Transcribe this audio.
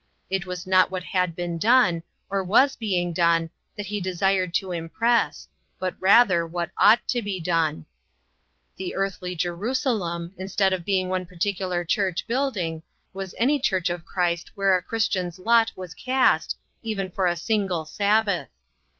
It was not what had been done, or was being done, that he desired to impress, but rather what ought to be done. The earthly Jerusalem, instead of being one particular church building, was any church of Christ where a Christian's lot was cast, even for a single Sabbath.